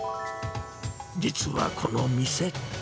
実はこの店。